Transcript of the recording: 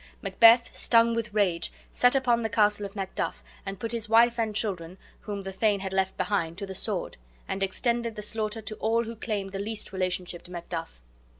Macbeth, stung with rage, set upon the castle of Macduff and put his wife and children, whom the thane had left behind, to the sword, and extended the slaughter to all who claimed the least relationship to Macduff.